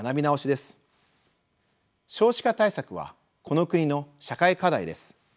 少子化対策はこの国の社会課題です。